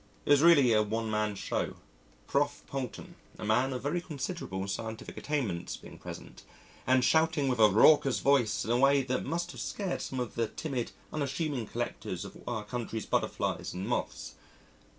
It was really a one man show, Prof. Poulton, a man of very considerable scientific attainments, being present, and shouting with a raucous voice in a way that must have scared some of the timid, unassuming collectors of our country's butterflies and moths.